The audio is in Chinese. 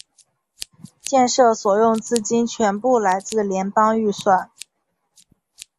建设所用资金全部来自联邦预算。